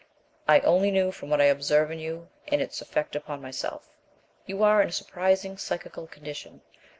"I only know from what I observe in you, and in its effect upon myself. You are in a surprising psychical condition.